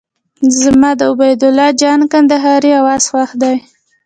زما د عبید الله جان کندهاري اواز خوښ دی.